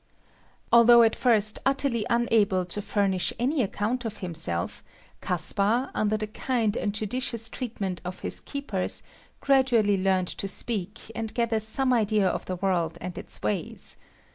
Although at first utterly unable to furnish any account of himself, Caspar, under the kind and judicious treatment of his keepers, gradually learnt to speak, and gather some idea of the world and its ways.